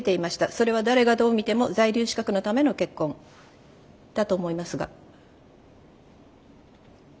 それは誰がどう見ても「在留資格のための結婚」だと思いますが。